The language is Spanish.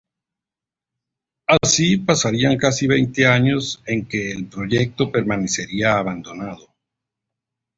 Así, pasarían casi veinte años en que el proyecto permanecería abandonado.